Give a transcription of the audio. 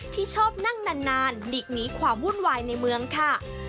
ที่ชอบนั่งนานหลีกหนีความวุ่นวายในเมืองค่ะ